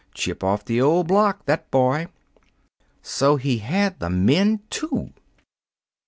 Chip off the old block, that boy." So he had the men, too!